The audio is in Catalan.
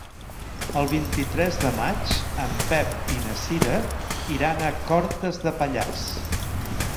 El vint-i-tres de maig en Pep i na Cira iran a Cortes de Pallars.